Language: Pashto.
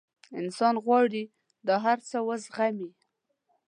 انسان غواړي دا هر څه وزغمي.